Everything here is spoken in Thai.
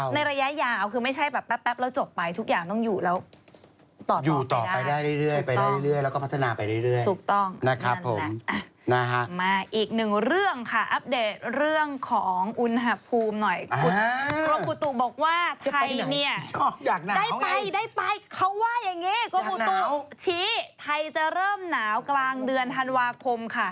กรมกุฏุชี้ไทยจะเริ่มหนาวกลางเดือนธันวาคมค่ะ